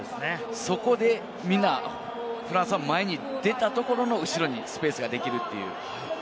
そこでみんな、フランスは前に出たところの後ろにスペースができるという。